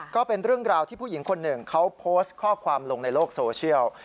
ก็เป็นเรื่องราวที่ผู้หญิงคนหนึ่งเขาโพสต์ข้อความลงในโลกโซเชียล